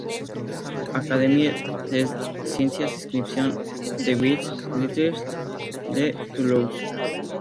Academie des Sciences, Inscriptions et Belles-Lettres de Toulouse".